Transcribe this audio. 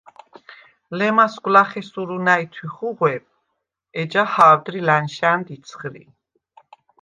ლემასგვ ლახე სურუ ნა̈ჲთვი ხუღვე, ეჯა ჰა̄ვდრი ლა̈ნშა̈ნდ იცხრი.